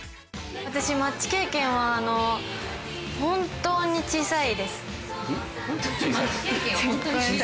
「マッチ経験は本当に小さい」？